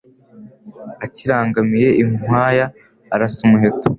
Akirangamiye inkwaya arasa umuheto